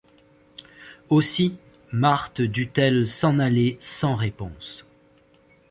Aussi Marthe dut-elle s’en aller sans réponse.